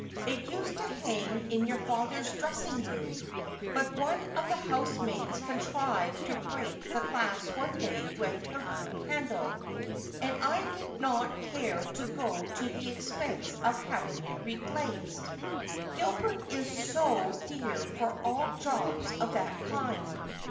It used to hang in your father's dressing room, but one of the housemaids contrived to break the glass one day with her broom handle, and I did not care to go to the expense of having it reglazed : Gilbert is so dear for all jobs of that kind.